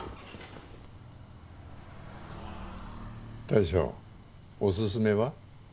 大将おすすめは？